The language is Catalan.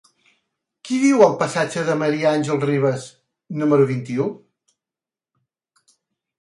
Qui viu al passatge de Ma. Àngels Rivas número vint-i-u?